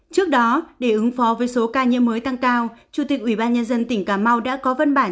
trước đó để ứng phó với số ca nhiễm mới tăng cao chủ tịch ubnd tỉnh cà mau đã có văn bản